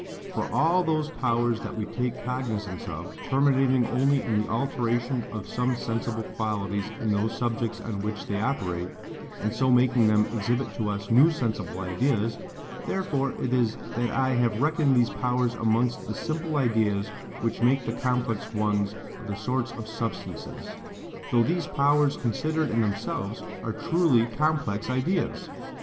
For all those powers that we take cognizance of, terminating only in the alteration of some sensible qualities in those subjects on which they operate, and so making them exhibit to us new sensible ideas, therefore it is that I have reckoned these powers amongst the simple ideas which make the complex ones of the sorts of substances; though these powers considered in themselves, are truly complex ideas.